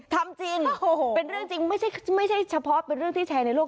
ทำจริงเป็นเรื่องจริงไม่ใช่เฉพาะเป็นเรื่องที่แชร์ในโลก